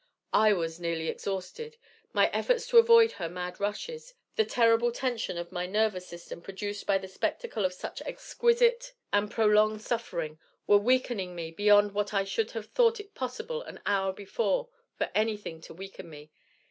I was nearly exhausted. My efforts to avoid her mad rushes, the terrible tension of my nervous system produced by the spectacle of such exquisite and prolonged suffering, were weakening me beyond what I should have thought it possible an hour before for anything to weaken me.